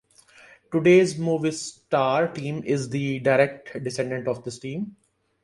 Today's Movistar Team is the direct descendant of this team.